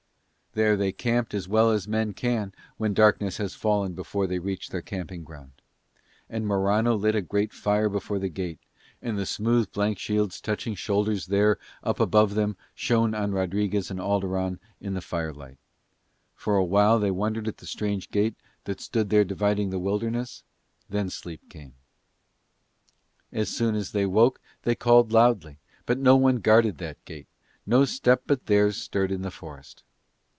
There they camped as well as men can when darkness has fallen before they reach their camping ground; and Morano lit a great fire before the gate, and the smooth blank shields touching shoulders there up above them shone on Rodriguez and Alderon in the firelight. For a while they wondered at that strange gate that stood there dividing the wilderness; and then sleep came. As soon as they woke they called loudly, but no one guarded that gate, no step but theirs stirred in the forest.